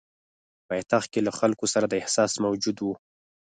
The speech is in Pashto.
پایتخت کې له خلکو سره دا احساس موجود وو.